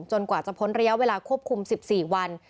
กว่าจะพ้นระยะเวลาควบคุม๑๔วัน